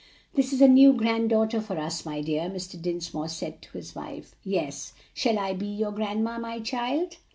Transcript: "This is a new granddaughter for us, my dear," Mr. Dinsmore said to his wife. "Yes, shall I be your grandma, my child?"